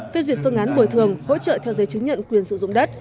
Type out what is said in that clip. phê duyệt phương án bồi thường hỗ trợ theo giấy chứng nhận quyền sử dụng đất